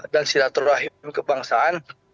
dan silaturahim kebangsaan